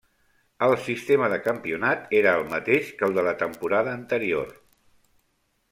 El sistema de campionat era el mateix que el de la temporada anterior.